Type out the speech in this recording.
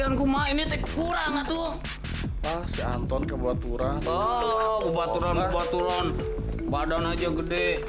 yang gua main kurang tuh si anton kebetulan kebetulan badan aja gede